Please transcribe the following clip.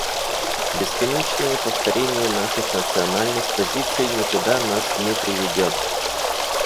Бесконечное повторение наших национальных позиций никуда нас не приведет.